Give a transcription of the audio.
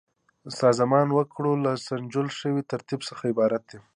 سازمان د وګړو له سنجول شوي ترتیب څخه عبارت دی.